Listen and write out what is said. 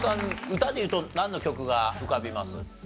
歌でいうとなんの曲が浮かびます？